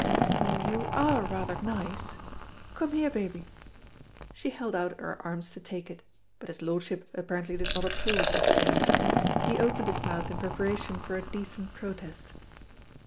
Oh, you are rather, nice. Come here, baby." She held out her arms to take it, but his lordship apparently did not approve of this change. He opened his mouth in preparation for a decent protest.